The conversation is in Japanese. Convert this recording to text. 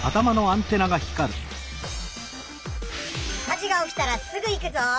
火事がおきたらすぐ行くぞ！